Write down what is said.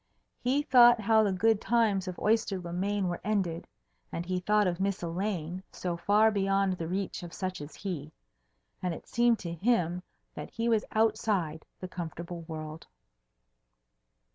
He thought how the good times of Oyster le Main were ended, and he thought of Miss Elaine so far beyond the reach of such as he, and it seemed to him that he was outside the comfortable world.